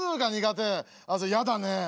やだね。